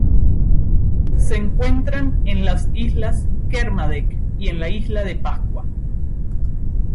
Se encuentran en las Islas Kermadec y la Isla de Pascua.